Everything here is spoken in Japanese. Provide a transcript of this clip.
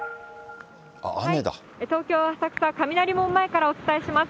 東京・浅草、雷門前からお伝えします。